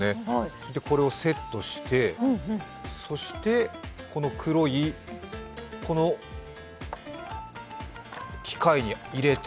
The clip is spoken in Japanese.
そしてこれをセットして、この黒い、この機械に入れて。